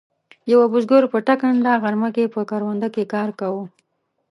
یوه بزګر په ټکنده غرمه کې په کرونده کې کار کاوه.